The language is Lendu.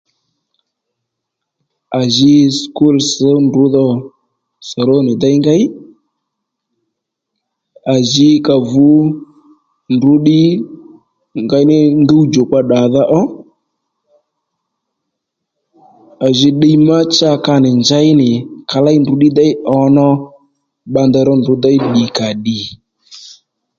À ji skul sš ndrǔ dho soronì déy ngéy à ji ka vǔ ndrǔ ddí ngéyní ngúw djùkpa ddadha ó à ji ddiy má cha ka nì njey nì ka léy ndrǔ ddí déy ǒnó bba ndey ró ndrǔ déy ddì kà ddì